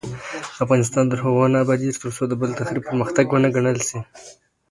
افغانستان تر هغو نه ابادیږي، ترڅو د بل تخریب پرمختګ ونه ګڼل شي.